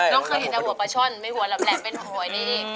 เราเคยเห็นแต่หัวประช่อนไม่หัวหลับแหลมเป็นหวยนี่